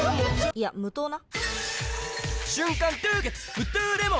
いや無糖な！